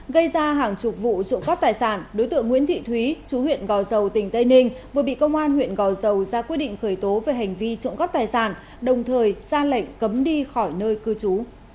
gây ra hàng chục vụ trộm cắp tài sản đối tượng nguyễn thị thúy chú huyện gò dầu tỉnh tây ninh vừa bị công an huyện gò dầu ra quyết định khởi tố về hành vi trộm cắp tài sản đồng thời ra lệnh cấm đi khỏi nơi cư trú